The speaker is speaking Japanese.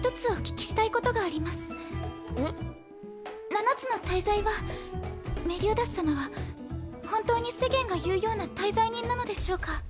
七つの大罪はメリオダス様は本当に世間が言うような大罪人なのでしょうか？